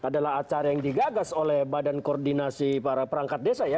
adalah acara yang digagas oleh badan koordinasi para perangkat desa ya